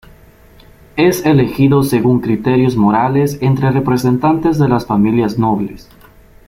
Es elegido según criterios morales entre representantes de las familias nobles.